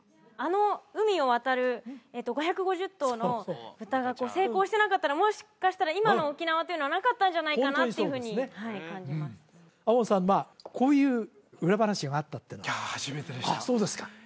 あの海を渡る５５０頭の豚が成功してなかったらもしかしたら今の沖縄というのはなかったんじゃないかなっていうふうにホントにそうですね亞